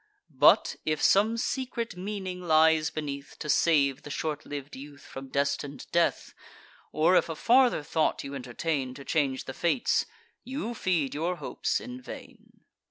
But, if some secret meaning lies beneath, To save the short liv'd youth from destin'd death, Or if a farther thought you entertain, To change the fates; you feed your hopes in vain."